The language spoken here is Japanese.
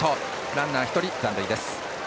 ランナー１人残塁です。